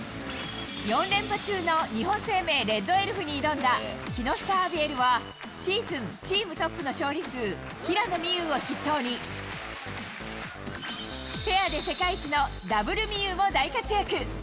４連覇中の日本生命レッドエルフに挑んだ木下アビエルは、シーズンチームトップの勝利数、平野美宇を筆頭に、ペアで世界一のＷみゆうも大活躍。